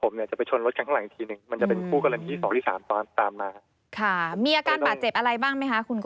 ไม่มีครับวิง